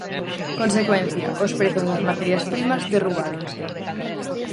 Consecuencia: os prezos das materias primas derrubáronse...